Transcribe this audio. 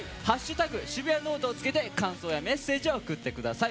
「＃シブヤノオト」を付けて感想やメッセージを送ってください。